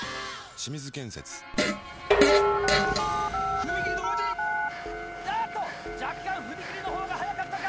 清水建設踏切同時⁉あっと若干踏切の方が早かったか！